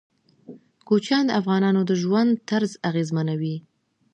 کوچیان د افغانانو د ژوند طرز اغېزمنوي.